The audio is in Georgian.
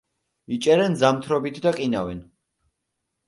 იჭერენ ზამთრობით და ყინავენ.